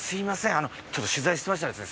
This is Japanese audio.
あのちょっと取材してましたらですね